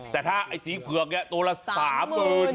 แต่ถ้าสีเผือกนี้ตัวละสามหมื่น